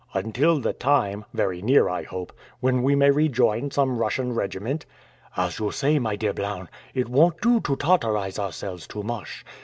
"Until the time very near, I hope when we may rejoin some Russian regiment?" "As you say, my dear Blount, it won't do to Tartarise ourselves too much.